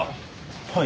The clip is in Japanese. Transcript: はい。